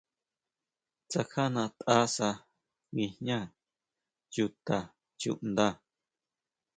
Tsakjajnataʼsa guijñá chuta chuʼnda.